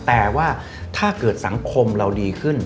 แต่ว่าถ้าเกิดสังคมเราดีขึ้น